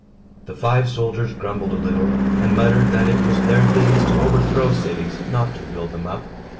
The five soldiers grumbled a little, and muttered that it was their business to overthrow cities, not to build them up.